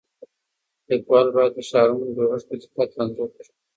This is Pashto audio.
لیکوال باید د ښارونو جوړښت په دقت انځور کړي.